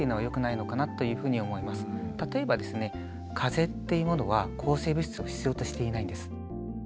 かぜっていうものは抗生物質を必要としていないんです。